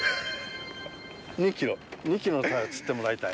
２キロのタイを釣ってもらいたい。